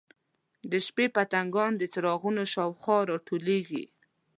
د شپې پتنګان د څراغونو شاوخوا راټولیږي.